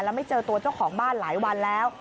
แล้วไม่เจอตัวเจ้าของบ้านหลายวันแล้ว